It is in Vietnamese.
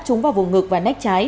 chúng vào vùng ngực và nách trái